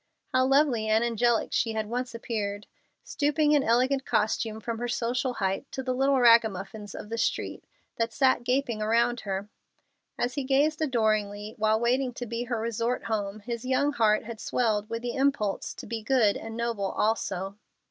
How lovely and angelic she had once appeared, stooping in elegant costume from her social height to the little ragamuffins of the street that sat gaping around her! As he gazed adoringly, while waiting to be her resort home, his young heart had swelled with the impulse to be good and noble also.